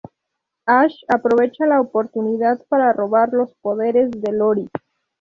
Ash aprovecha la oportunidad para robar los poderes de Iori.